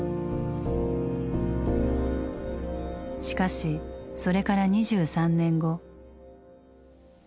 しかしそれから２３年後。